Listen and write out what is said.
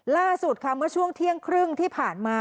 ล่าสุดค่ะเมื่อช่วงเที่ยงครึ่งที่ผ่านมา